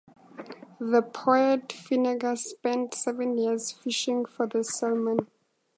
The poet Finegas spent seven years fishing for this salmon.